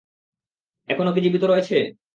এখনো কি জীবিত রয়েছে?